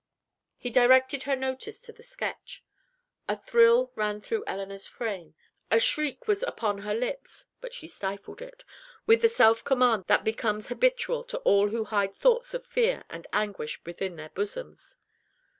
He directed her notice to the sketch. A thrill ran through Elinor's frame; a shriek was upon her lips; but she stifled it, with the self command that becomes habitual to all who hide thoughts of fear and anguish within their bosoms.